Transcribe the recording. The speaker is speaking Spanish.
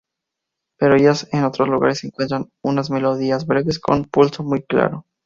Pero ellas, en otros lugares, encuentran unas melodías breves, con un pulso muy claro.